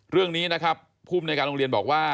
เรื่องนี้นะครับภูมิในการโรงเรียนบอกว่า